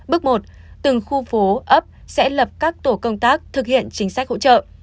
bước một từng khu phố ấp sẽ lập các tổ công tác thực hiện chính sách hỗ trợ